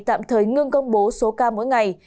tạm thời ngưng công bố số ca mỗi ngày